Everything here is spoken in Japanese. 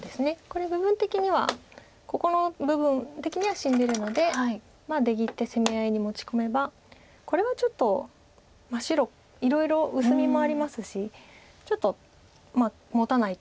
これ部分的にはここの部分的には死んでるので出切って攻め合いに持ち込めばこれはちょっと白いろいろ薄みもありますしちょっともたないと思います。